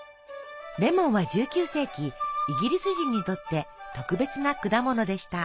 レモンは１９世紀イギリス人にとって特別な果物でした。